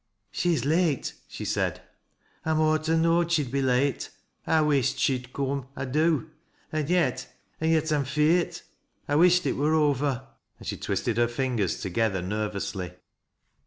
" She's late," she said. " I mought ha' knowed she'd be late. I wisht she'd coom — I do. An' yet — an' yet I'm feart. I wisht it wur over;" and she twisted her fingers together nervously.